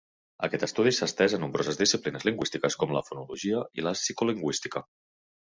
Aquest estudi s'ha estès a nombroses disciplines lingüístiques, com la fonologia i la psicolingüística.